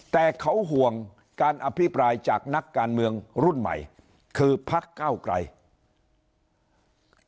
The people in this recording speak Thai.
แต่เขาห่วงการอภิปรายจากนักการเมืองรุ่นใหม่คือพักเก้าไกร